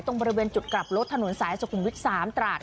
บริเวณจุดกลับรถถนนสายสุขุมวิทย์๓ตราด